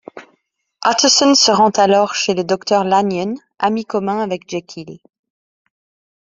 Utterson se rend alors chez le docteur Lanyon, ami commun avec Jekyll.